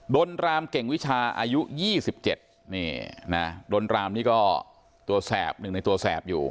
ดนรามเก่งวิชาอายุ๒๗ดนรามนี่ก็ในตัวแซ่บอยู่